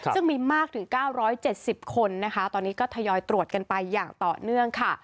ซึ่งมีมากถึง๙๗๐คนนะคะตอนนี้ก็ทยอยตรวจกันไปอย่างต่อเนื่องค่ะ